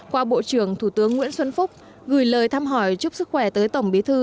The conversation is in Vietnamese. qua bộ trưởng thủ tướng nguyễn xuân phúc gửi lời thăm hỏi chúc sức khỏe tới tổng bí thư